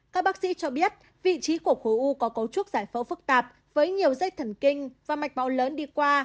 các bác sĩ cho biết vị trí của khối u có cấu trúc giải phẫu phức tạp với nhiều dây thần kinh và mạch máu lớn đi qua